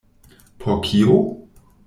Por kio?